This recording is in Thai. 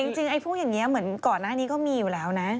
จริงไอ้พวกอย่างนี้เหมือนก่อนหน้านี้ก็มีอยู่แล้วนะ